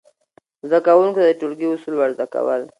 زده کوونکو ته د ټولګي اصول ور زده کول،